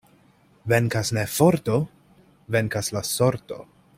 Venkas ne forto, venkas la sorto.